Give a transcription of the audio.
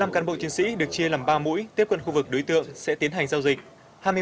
một mươi cán bộ chiến sĩ được chia làm ba mũi tiếp cận khu vực đối tượng sẽ tiến hành giao dịch